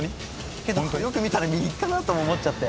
けどよく見たら右かなとも思っちゃって。